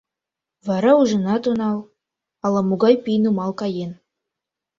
Вара ужынат онал, ала-могай пий нумал каен.